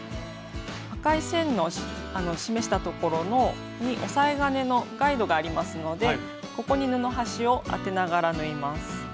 赤い線の示したところに押さえ金のガイドがありますのでここに布端を当てながら縫います。